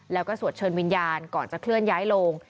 แล้วก็สวดเชิญวิญญาณก่อนจะเคลื่อนย้ายโลง